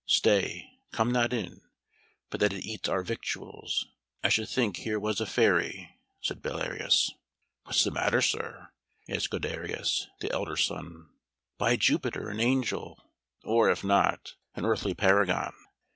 "Stay; come not in. But that it eats our victuals, I should think here were a fairy," said Belarius. "What's the matter, sir?" asked Guiderius, the elder boy. "By Jupiter, an angel! Or, if not, an earthly paragon!